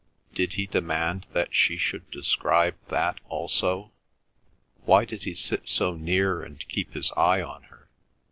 Did he demand that she should describe that also? Why did he sit so near and keep his eye on her?